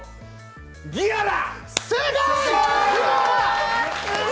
ギアラ！